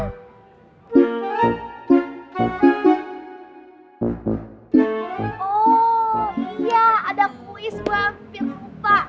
oh iya ada kuis gua hampir lupa